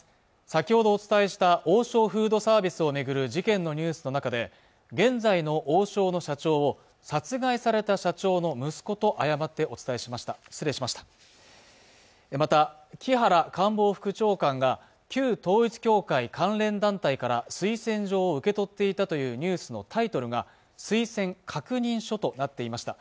先ほどお伝えした王将フードサービスをめぐる事件のニュースの中で現在の王将の社長を殺害された社長の息子と誤ってお伝えしました失礼しましたまた木原官房副長官が旧統一教会関連団体から推薦状を受け取っていたというニュースのタイトルが推薦確認書となっていました